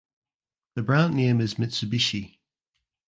The brand name is Mitsubishi.